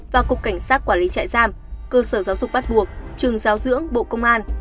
và cục cảnh sát quản lý trại giam cơ sở giáo dục bắt buộc trường giáo dưỡng bộ công an